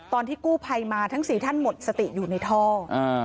ตอนที่กู้ภัยมาทั้งสี่ท่านหมดสติอยู่ในท่อ